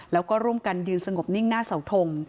แล้วก็ร่วมกันยืนสงบนิ่งหน้าเสาทง